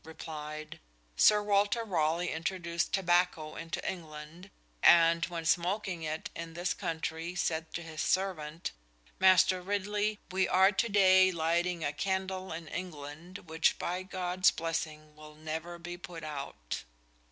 replied: "Sir Walter Raleigh introduced tobacco into England, and when smoking it in this country said to his servant, 'Master Ridley, we are to day lighting a candle in England which by God's blessing will never be put out'"!